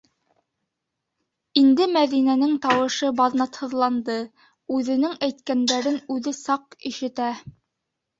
Инде Мәҙинәнең тауышы баҙнатһыҙланды, үҙенең әйткәндәрен үҙе саҡ ишетә: